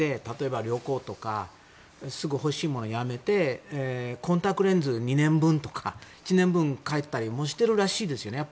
例えば旅行とかすぐ欲しいものをやめてコンタクトレンズ２年分とか１年分買ったりもしてるらしいですよ。